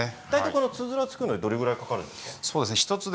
このつづらを作るのにどのくらいかかるんですか？